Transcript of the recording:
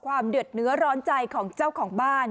เดือดเนื้อร้อนใจของเจ้าของบ้าน